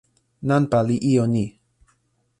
nanpa li ijo ni.